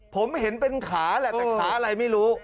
ผมเห็นเป็นขาแหละแต่ขาอะไรไม่รู้